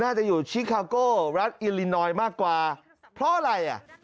น่าจะอยู่ชิคาโก้รัฐอิลินอยมากกว่าเพราะอะไรอ่ะ